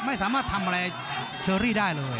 ไม่สามารถทำอะไรเชอรี่ได้เลย